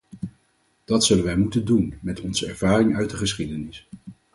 Dat zullen wij moeten doen, met onze ervaringen uit de geschiedenis.